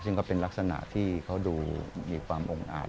ซึ่งก็เป็นลักษณะที่เขาดูมีความองค์อาจ